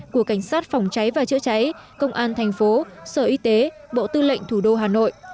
của cảnh sát phòng cháy và chữa cháy công an thành phố sở y tế bộ tư lệnh thủ đô hà nội